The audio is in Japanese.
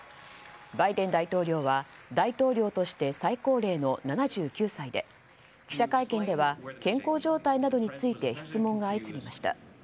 バイデン大統領は大統領として最高齢の７９歳で記者会見では健康状態などについて質問が相次ぎました。